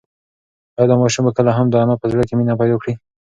ایا دا ماشوم به کله هم د انا په زړه کې مینه پیدا کړي؟